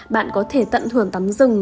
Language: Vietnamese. bạn có thể tận thường tắm rừng